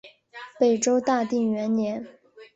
北周大定元年。